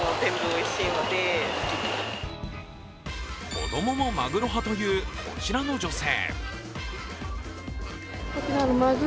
子供もマグロ派というこちらの女性。